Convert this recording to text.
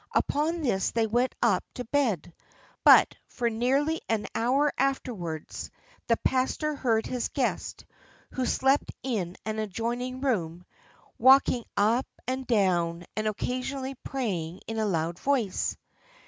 Upon this they went up to bed; but for nearly an hour afterwards the pastor heard his guest, who slept in an adjoining room, walking up and down, and occasionally praying in a loud voice.